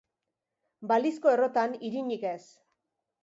Balizko errotan irinik ez